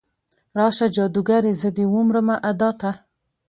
راشه جادوګرې، زه دې ومرمه ادا ته